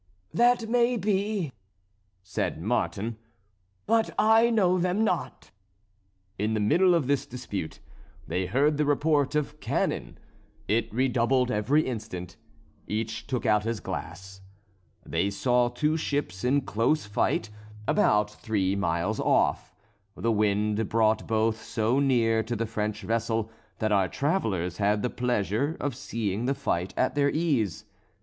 "That may be," said Martin; "but I know them not." In the middle of this dispute they heard the report of cannon; it redoubled every instant. Each took out his glass. They saw two ships in close fight about three miles off. The wind brought both so near to the French vessel that our travellers had the pleasure of seeing the fight at their ease.